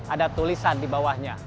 ada tulisan di bawahnya